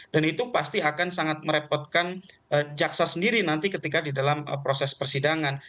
itu pasti akan sangat merepotkan jaksa sendiri nanti ketika di dalam proses persidangan